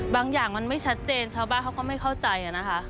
อย่างมันไม่ชัดเจนชาวบ้านเขาก็ไม่เข้าใจนะคะ